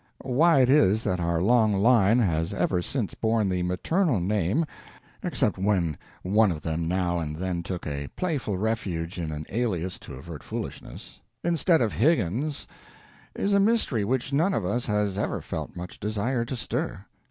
Why it is that our long line has ever since borne the maternal name (except when one of them now and then took a playful refuge in an alias to avert foolishness), instead of Higgins, is a mystery which none of us has ever felt much desire to stir.